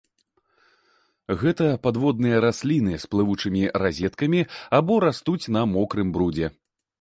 Гэта падводныя расліны з плывучымі разеткамі або растуць на мокрым брудзе.